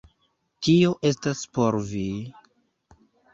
Tio estas por vi!